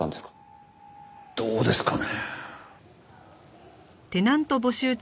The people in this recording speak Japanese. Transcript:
どうですかね。